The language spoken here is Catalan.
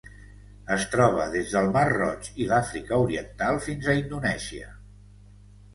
Es troba des del Mar Roig i l'Àfrica Oriental fins a Indonèsia.